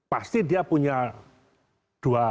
pasti dia punya dua